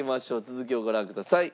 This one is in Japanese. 続きをご覧ください。